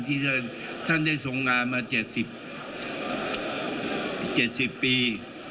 ที่ท่านได้ทรงงานมา๗๐๗๐ปี